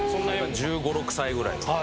１５１６歳ぐらいの時に。